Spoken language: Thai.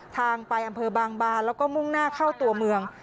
ทางไปอำเภอบางบานแล้วก็มุ่งหน้าเข้าตัวเมือง